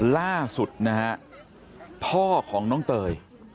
ล่าสุดนะฮะพ่อของน้องเตย